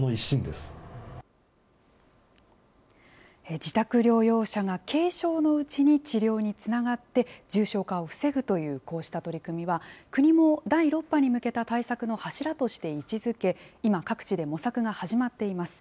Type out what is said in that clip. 自宅療養者が軽症のうちに治療につながって、重症化を防ぐというこうした取り組みは、国も第６波に向けた対策の柱として位置づけ、今、各地で模索が始まっています。